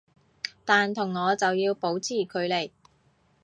但同我就要保持距離